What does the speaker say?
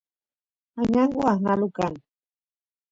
añangu aqnalu kan